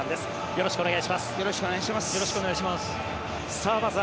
よろしくお願いします。